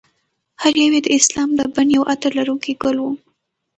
هر یو یې د اسلام د بڼ یو عطر لرونکی ګل و.